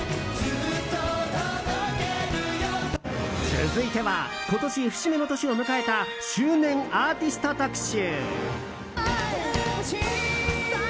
続いては今年、節目の年を迎えた周年アーティスト特集！